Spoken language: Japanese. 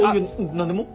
何でも。